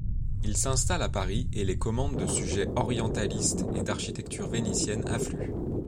Il s'installe à Paris et les commandes de sujets orientalistes et d'architecture vénitienne affluent.